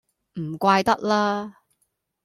唔怪得啦